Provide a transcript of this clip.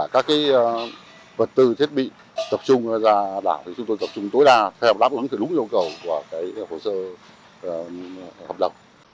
các vật tư thiết bị tập trung ra đảo chúng tôi tập trung tối đa theo lắp ứng thực lũ nhu cầu của hộ sơ hợp lập